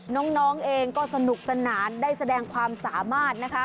น้องเองก็สนุกสนานได้แสดงความสามารถนะคะ